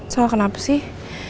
soal kenapa sih